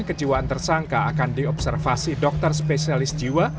kejiwaan tersangka akan diobservasi dokter spesialis jiwa